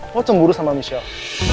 kok cemburu sama michelle